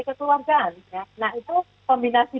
kekeluargaan nah itu kombinasi